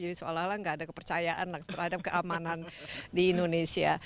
jadi seolah olah gak ada kepercayaan terhadap keamanan di indonesia